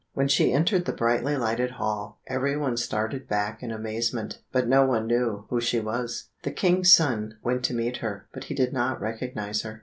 When she entered the brightly lighted hall, every one started back in amazement, but no one knew who she was. The King's son went to meet her, but he did not recognize her.